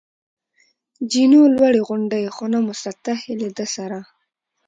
جینو: لوړې غونډۍ، خو نه مسطحې، له ده سره.